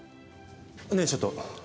ねえちょっと。